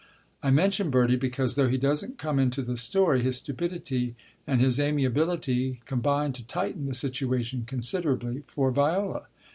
(I mention Bertie because, though he doesn't come into this story, his stupidjty and his amiability combined to tighten the situation considerably for Viola.)